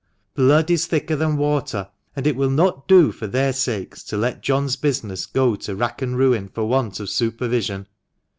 'Blood is thicker than water,' and it will not do, for their sakes, to let John's business go to rack and ruin for want of supervision."